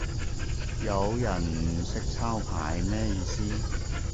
有人唔識抄牌咩意思